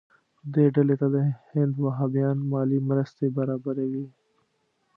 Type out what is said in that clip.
دې ډلې ته د هند وهابیان مالي مرستې برابروي.